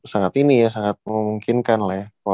sangat ini ya sangat memungkinkan lah ya